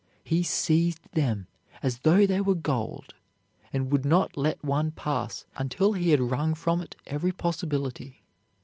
He seized them as though they were gold and would not let one pass until he had wrung from it every possibility.